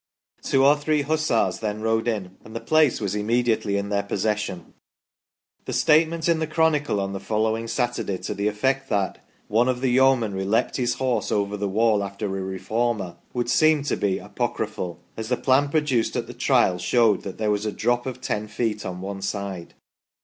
Two or three hussars then rode in, and the place was immediately in their possession." The statement in the " Chronicle " on the following Saturday to the effect that " one of the Yeomanry leaped his horse over the wall after a Reformer" would seem to be apocryphal, as the plan produced at the Trial showed that there was a drop of 1 feet on one side.